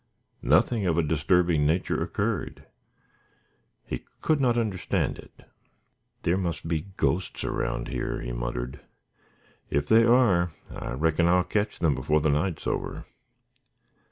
Nothing of a disturbing nature occurred. He could not understand it. "There must be ghosts around here," he muttered. "If there are, I reckon I'll catch them before the night is over."